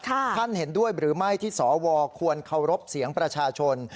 ท่านเห็นด้วยหรือไม่ที่สวควรเคารพเสียงประชาชน